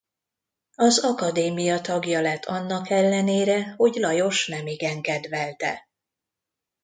Az akadémia tagja lett, annak ellenére, hogy Lajos nemigen kedvelte.